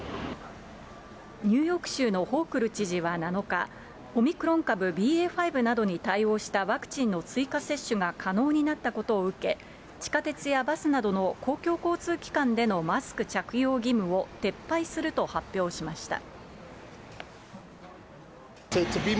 ニューヨーク州のホークル知事は７日、オミクロン株ＢＡ．５などに対応したワクチンの追加接種が可能になったことを受け、地下鉄やバスなどの公共交通機関でのマスク着用義務を撤廃すると発表しました。